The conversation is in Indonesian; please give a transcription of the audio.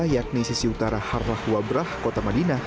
yakni sisi utara harlah wabrah kota madinah